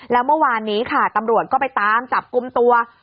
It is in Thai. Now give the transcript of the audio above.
แล้วเมื่อวานนี้ค่ะตำรวจก็ไปตามจับกลุ่มตัว